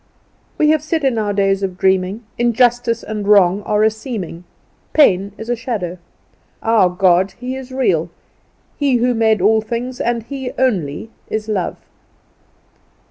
We have said in our days of dreaming, "Injustice and wrong are a seeming; pain is a shadow. Our God, He is real, He who made all things, and He only is Love."